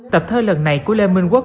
tập thơ lần này của lê minh quốc